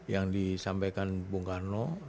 yang disampaikan bung karno